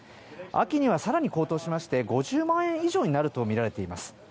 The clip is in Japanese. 秋には更に高騰しまして５０万円以上になるとみられています。